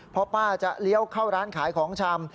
เพราะป้าจะเลี้ยวเข้าร้านขายของชำ